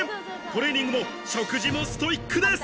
トレーニングも食事もストイックです。